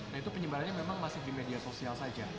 nah itu penyebarannya memang masih di media sosial saja